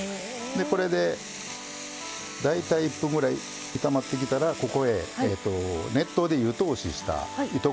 これで大体１分ぐらい炒まってきたらここへ熱湯で湯通しした糸